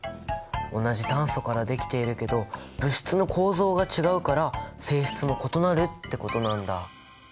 同じ炭素からできているけど物質の構造が違うから性質も異なるってことなんだ。